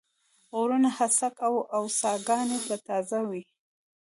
غرونه هسک و او ساګاني به تازه وې